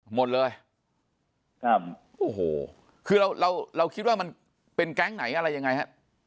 หมดเลยครับโอ้โหคือเราเราคิดว่ามันเป็นแก๊งไหนอะไรยังไงฮะ